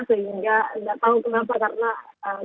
sehingga tidak tahu kenapa karena